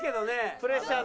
プレッシャーで。